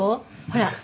ほら。